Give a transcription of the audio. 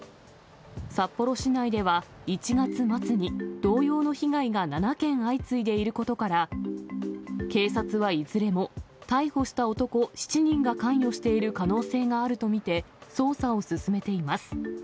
札幌市内では１月末に同様の被害が７件相次いでいることから、警察はいずれも逮捕した男７人が関与している可能性があると見て、捜査を進めています。